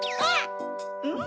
うん！